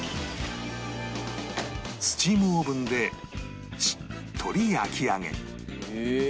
スチームオーブンでしっとり焼き上げへえ。